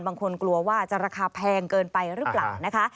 บางคนกลัวว่าจะราคาแพงเกินไปรึเปล่านะคะ